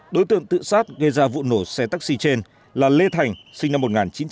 đối tượng tự sát gây ra vụ nổ xe taxi trên là lê thành sinh năm một nghìn chín trăm tám mươi